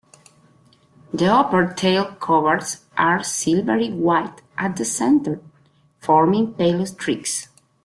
The uppertail coverts are silvery white at the center, forming pale streaks.